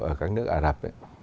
ở các nước ả rập ấy